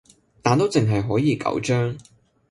但都淨係可以九張